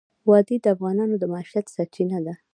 وادي د افغانانو د معیشت سرچینه ده.